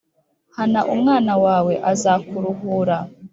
hana umwana wawe azakuruhura,